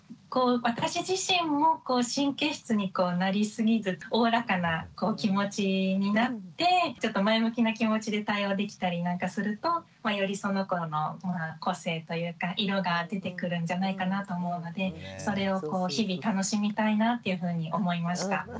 私自身も神経質になりすぎずおおらかな気持ちになってちょっと前向きな気持ちで対応できたりなんかするとよりその子の個性というか色が出てくるんじゃないかなと思うのでそれを日々楽しみたいなっていうふうに思いました。